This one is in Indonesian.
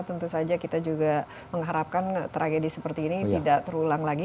tentu saja kita juga mengharapkan tragedi seperti ini tidak terulang lagi